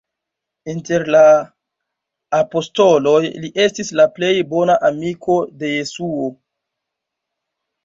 Inter la apostoloj, li estis la plej bona amiko de Jesuo.